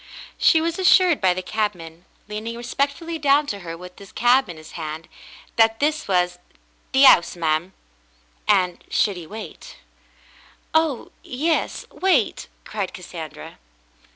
She was assured by the cabman, leaning respectfully down to her with his cap in his hand, that this was "the 'ouse, ma'm," and should he wait ? "Oh, yes. Wait," cried Cassandra.